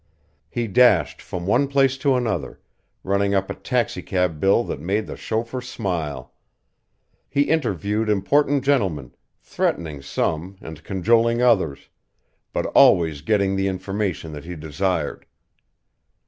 He dashed from one place to another, running up a taxicab bill that made the chauffeur smile. He interviewed important gentlemen, threatening some and cajoling others, but always getting the information that he desired.